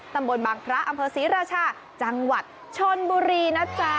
ตำบลบางพระอำเภอศรีราชาจังหวัดชนบุรีนะจ๊ะ